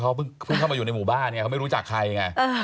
เขาเพิ่งเข้ามาอยู่ในหมู่บ้านไงเขาไม่รู้จักใครไง